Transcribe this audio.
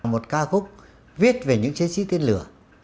một ca khúc viết về những chiến sĩ tên lửa